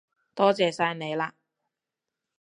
多謝晒你喇